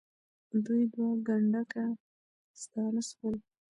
دوی دوه کنډکه ستانه سول.